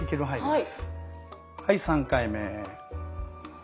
はい３回目。